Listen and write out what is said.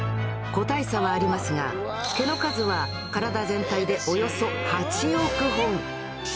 個体差はありますが毛の数は体全体でおよそ８億本。